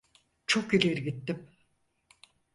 Çok ileri gittim.